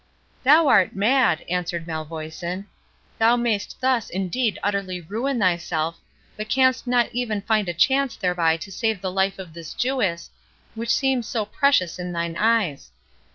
"Thou art mad," answered Malvoisin; "thou mayst thus indeed utterly ruin thyself, but canst not even find a chance thereby to save the life of this Jewess, which seems so precious in thine eyes.